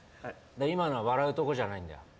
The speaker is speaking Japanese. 今のは笑うとこじゃないんだよ。